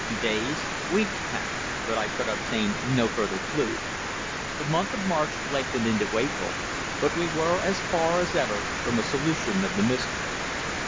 Days, weeks, passed, but I could obtain no further clue. The month of March lengthened into April, but we were as far as ever from a solution of the mystery.